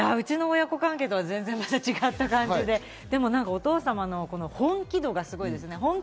うちの親子関係とは全然違った感じで、でもお父さんの本気度がすごいですね。